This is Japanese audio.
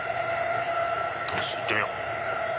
よし行ってみよう。